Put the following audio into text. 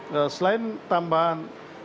karena selain tambahan